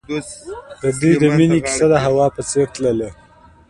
د دوی د مینې کیسه د هوا په څېر تلله.